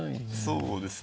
そうですね。